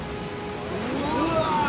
うわ！